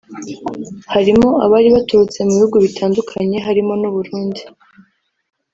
harimo abari baturutse mu bihugu bitandukanye harimo n’u Burundi